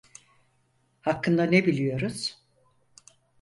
Hakkında ne biliyoruz?